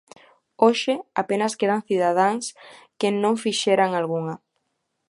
Hoxe, apenas quedan cidadáns que non fixeran algunha.